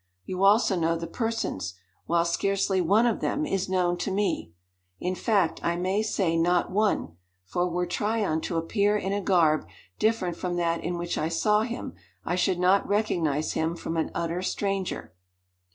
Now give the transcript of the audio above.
You also know the persons, while scarcely one of them is known to me; in fact, I may say not one, for were Tryon to appear in a garb different from that in which I saw him I should not recognize him from an utter stranger."